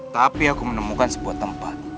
tapi aku menemukan sebuah tempat